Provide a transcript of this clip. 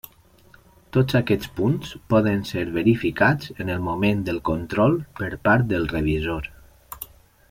Tots aquests punts poden ser verificats en el moment del control per part del revisor.